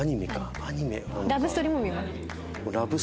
ラブストーリーも見ます。